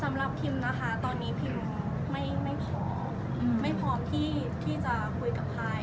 สำหรับพิมนะคะตอนนี้พิมไม่ขอไม่พร้อมที่จะคุยกับใคร